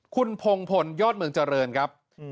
คุณพงพลยอดเมืองเจริญครับ